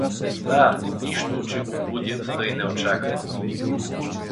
Да, нищо, че го будят тъй неочаквано.